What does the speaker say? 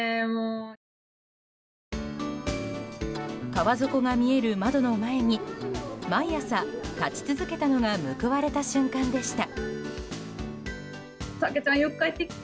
川底が見える窓の前に毎朝、立ち続けたのが報われた瞬間でした。